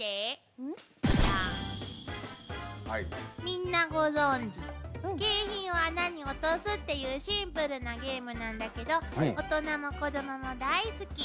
みんなご存じ景品を穴に落とすっていうシンプルなゲームなんだけど大人も子供も大好き。